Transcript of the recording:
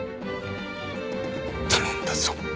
頼んだぞ